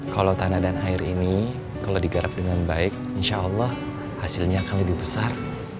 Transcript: kalau tanah dan air ini kalau digarap dengan baik insya allah hasilnya akan lebih besar